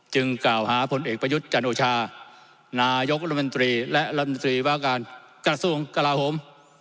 กล่าวหาผลเอกประยุทธ์จันโอชานายกรัฐมนตรีและรัฐมนตรีว่าการกระทรวงกลาโหม